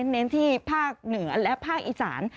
เน้นที่ภาคเหนือและภาคอีสาน